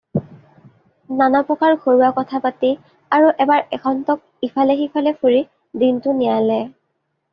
নানা প্ৰকাৰ ঘৰুৱা কথা পাতি আৰু এবাৰ এখন্তক ইফালে-সিফালে ফুৰি দিনটো নিয়ালে।